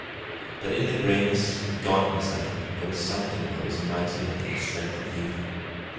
But in the grayness and gauntness of him there was something that was mightier than the strength of youth.